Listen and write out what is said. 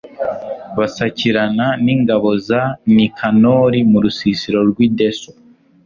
basakiranira n'ingabo za nikanori mu rusisiro rw'i deso